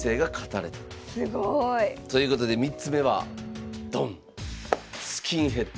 すごい。ということで３つ目はドン。